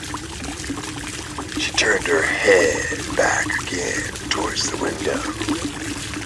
She turned her head back again towards the window.